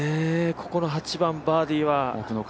ここの８番、バーディーは。